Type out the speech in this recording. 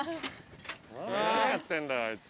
何やってんだよあいつ。